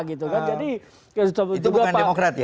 itu bukan demokrat ya